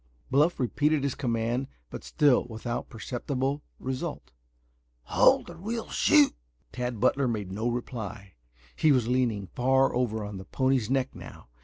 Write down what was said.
Bluff repeated his command, but still without perceptible result. "Halt or we shoot!" Tad Butler made no reply. He was leaning far over on the pony's neck now.